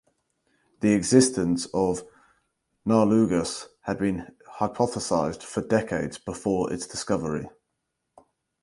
The existence of narlugas had been hypothesized for decades before its discovery.